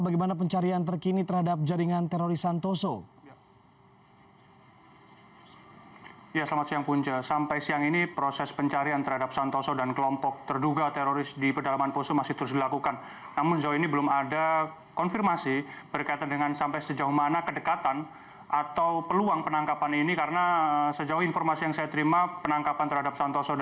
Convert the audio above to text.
bagaimana pencarian terkini terhadap jaringan teroris santoso